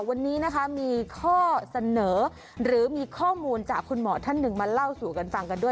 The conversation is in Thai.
วันนี้นะคะมีข้อเสนอหรือมีข้อมูลจากคุณหมอท่านหนึ่งมาเล่าสู่กันฟังกันด้วย